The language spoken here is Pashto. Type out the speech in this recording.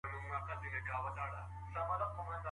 دوهم جواب دادی، چي د نکاح او واده مصارف خاوند کړي دي.